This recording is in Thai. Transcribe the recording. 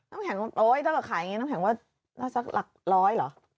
น้ำแข็งมันต้อยถ้าเกิดขายงี้น้ำแข็งว่าสักหลักร้อยหรอ